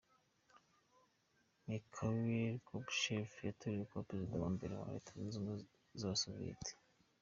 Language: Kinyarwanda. Mikhail Gorbachev yatorewe kuba perezida wa mbere wa Leta y’ubumwe y’abasoviyeti.